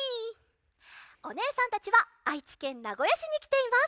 おねえさんたちはあいちけんなごやしにきています。